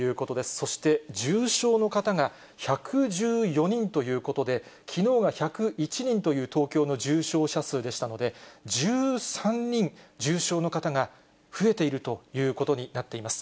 そして、重症の方が１１４人ということで、きのうが１０１人という東京の重症者数でしたので、１３人、重症の方が増えているということになっています。